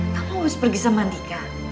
kamu harus pergi sama andika